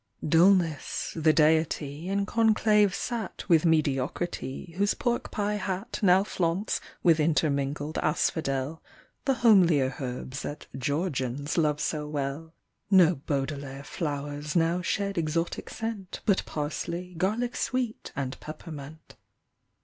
Dullness, the Deity, in conclave sat With Mediocrity, whose pork pie hat Now flaunts, with intermingled asphodel, The homelier herbs that '' Georgians " love so well — No Baudelaire flowers now shed exotic scent But parsley, garlic sweet, and peppermint.